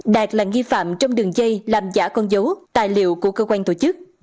đạt là nghi phạm trong đường dây làm giả con dấu tài liệu của cơ quan tổ chức